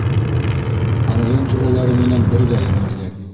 Район түрәләре менән бергә ебәрҙек.